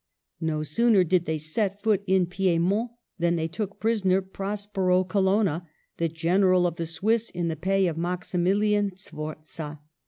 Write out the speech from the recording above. No sooner did they set foot in Piedmont than they took prisoner Prospero Colonna, the general of the Swiss in the pay of Maximilian Sforza.